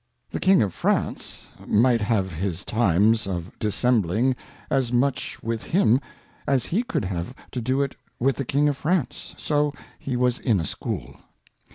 The King of France might have his Times of Dissembling as much with him, as he could have to do it with the King of France : So he was in a School.